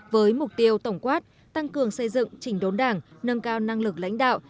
với mục tiêu tổng quát tăng cường xây dựng chỉnh đốn đảng nâng cao năng lực lãnh đạo